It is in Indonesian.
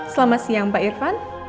selamat siang pak irvan